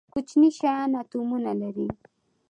کوچني شیان اتومونه لري